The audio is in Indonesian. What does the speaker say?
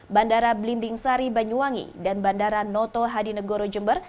bandara belimbing sari banyuwangi dan bandara noto hadinegoro jember